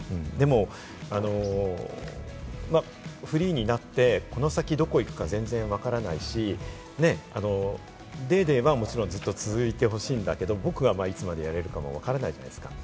でもフリーになって、この先どこに行くか全然わからないし、『ＤａｙＤａｙ．』はもちろんずっと続いてほしいんだけれども、僕はいつまでやれるか分からないじゃないですか。